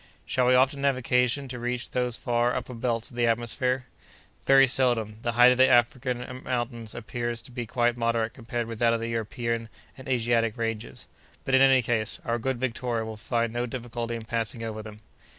"Shall we often have occasion to reach those far upper belts of the atmosphere?" "Very seldom: the height of the African mountains appears to be quite moderate compared with that of the European and Asiatic ranges; but, in any case, our good Victoria will find no difficulty in passing over them."